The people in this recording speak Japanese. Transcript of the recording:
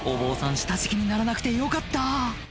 下敷きにならなくてよかった